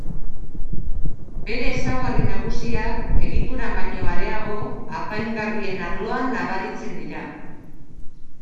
Bere ezaugarri nagusiak, egituran baino areago, apaingarrien arloan nabaritzen dira.